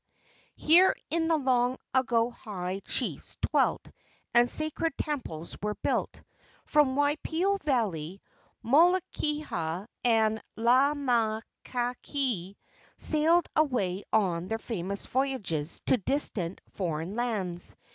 Here in the long ago high chiefs dwelt and sacred temples were built. From Waipio Valley Moikeha and Laa Mai Kahiki sailed away on their famous voyages to distant foreign lands.